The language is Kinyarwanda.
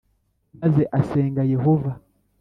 Maze asenga yehova